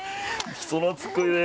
人なつっこいね。